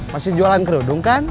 masih jualan kerudung kan